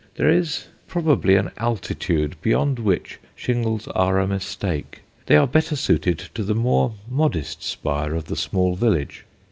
There is probably an altitude beyond which shingles are a mistake: they are better suited to the more modest spire of the small village.